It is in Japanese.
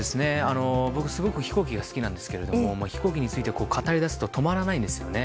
すごく飛行機が好きなんですけど飛行機について語りだすと止まらないんですよね。